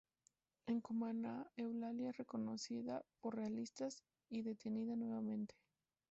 En Cumaná, Eulalia es reconocida por realistas y detenida nuevamente.